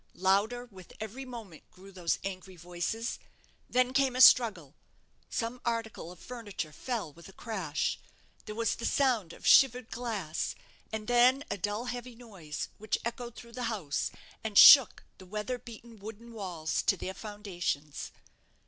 Louder with every moment grew those angry voices. Then came a struggle; some article of furniture fell with a crash; there was the sound of shivered glass, and then a dull heavy noise, which echoed through the house, and shook the weather beaten wooden walls to their foundations.